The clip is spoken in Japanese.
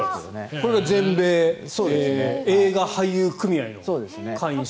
これが全米映画俳優組合の会員証。